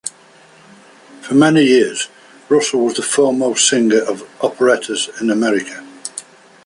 For many years, Russell was the foremost singer of operettas in America.